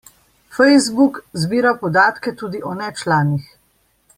Facebook zbira podatke tudi o nečlanih.